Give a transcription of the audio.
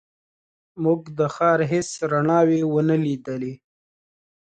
موږ د ښار هېڅ رڼاوې ونه لیدلې.